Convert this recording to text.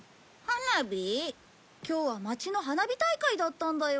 今日は町の花火大会だったんだよ。